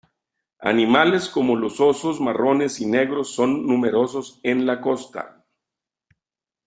Animales como los osos marrones y negros son numerosos en la costa.